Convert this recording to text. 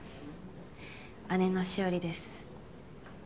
姉の紫織です。